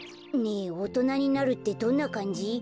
ねえおとなになるってどんなかんじ？